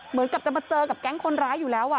เหมือนกับจะมาเจอกับแก๊งคนร้ายอยู่แล้ว